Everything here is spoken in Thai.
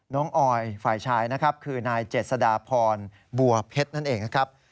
ออยฝ่ายชายนะครับคือนายเจษฎาพรบัวเพชรนั่นเองนะครับ